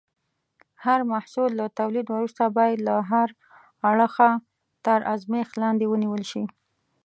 هر محصول له تولید وروسته باید له هر اړخه تر ازمېښت لاندې ونیول شي.